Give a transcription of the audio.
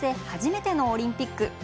初めてのオリンピック。